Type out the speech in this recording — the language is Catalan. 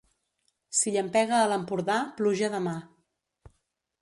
Si llampega a l'Empordà, pluja demà.